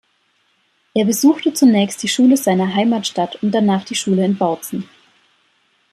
Er besuchte zunächst die Schule seiner Heimatstadt und danach die Schule in Bautzen.